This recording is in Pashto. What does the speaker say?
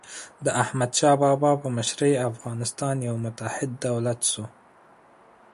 د احمدشاه بابا په مشرۍ افغانستان یو متحد دولت سو.